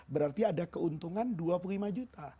berarti ada keuntungan dua puluh lima juta